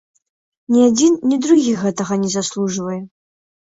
Ні адзін, ні другі гэтага не заслужвае.